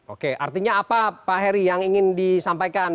oke artinya apa pak heri yang ingin disampaikan